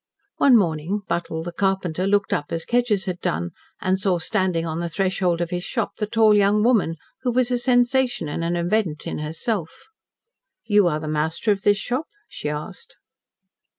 One morning Buttle, the carpenter, looked up as Kedgers had done, and saw standing on the threshold of his shop the tall young woman, who was a sensation and an event in herself. "You are the master of this shop?" she asked.